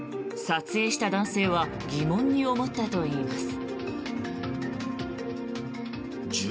撮影した男性は疑問に思ったといいます。